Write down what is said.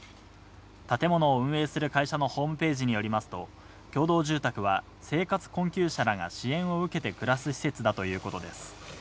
建物を運営する会社のホームページによりますと、共同住宅は生活困窮者らが支援を受けて暮らす施設だということです。